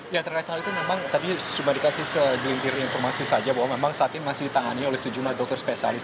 ya terkait hal itu memang tadi cuma dikasih segelintir informasi saja bahwa memang saat ini masih ditangani oleh sejumlah dokter spesialis